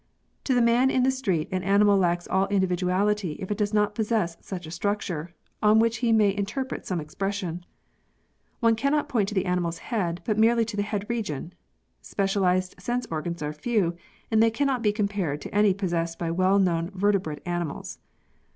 To the man in the street an animal lacks all individuality if it does not possess such a structure, on which he may interpret some expression. One cannot point to the animal's head, but merely to the head region. Specialised sense organs are few, and they cannot be compared to any possessed by well known vertebrate animals.